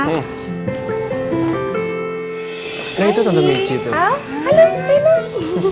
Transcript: nah itu tante michi itu